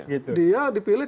dia dipilih karena ada pemimpin